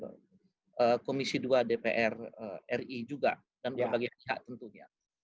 bersama sama dengan komisi dua dpr ri juga dan berbagai pihak tentunya